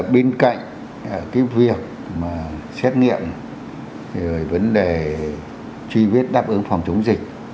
bên cạnh việc xét nghiệm vấn đề truy vết đáp ứng phòng chống dịch